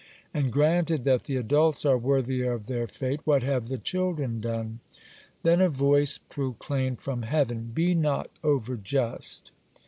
And granted that the adults are worthy of their fate, what have the children done?" Then a voice proclaimed from heaven, "Be not overjust."